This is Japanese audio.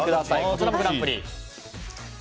こちらもグランプリ。